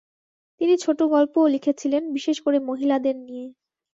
তিনি ছোট গল্পও লিখেছিলেন, বিশেষ করে মহিলাদের নিয়ে।